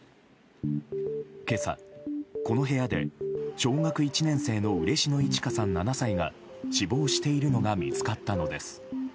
今朝、この部屋で小学１年生の嬉野いち花さん、７歳が死亡しているのが見つかったのです。